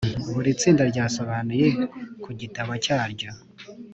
buri tsinda ryasobanuye ku gitabo cyaryo.